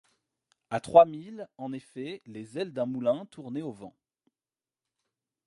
À trois milles, en effet, les ailes d’un moulin tournaient au vent.